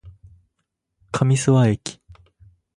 上諏訪駅